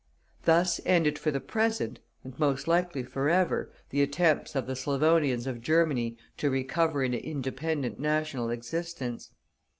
Thus ended for the present, and most likely for ever, the attempts of the Slavonians of Germany to recover an independent national existence.